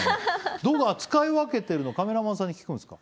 道具扱い分けてるのカメラマンさんに聞くんすか。